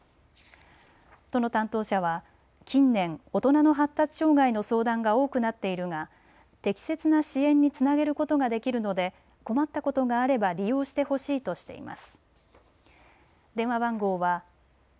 都の担当者は近年、大人の発達障害の相談が多くなっているが適切な支援につなげることができるので困ったことがあれば利用してほしいとしています。